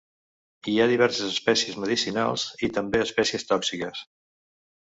Hi ha diverses espècies medicinals i també espècies tòxiques.